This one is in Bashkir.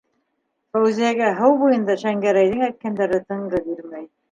Фәүзиәгә һыу буйында Шәңгәрәйҙең әйткәндәре тынғы бирмәй.